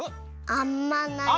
あんまない。